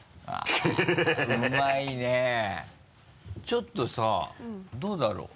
ちょっとさどうだろう？